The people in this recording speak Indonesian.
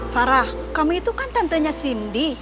farah kami itu kan tantenya cindy